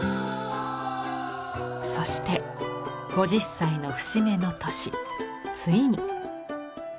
そして５０歳の節目の年ついに。